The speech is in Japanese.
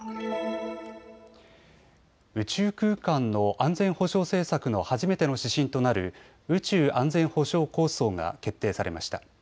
宇宙空間の安全保障政策の初めての指針となる宇宙安全保障構想が決定されました。